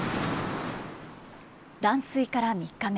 断水から３日目。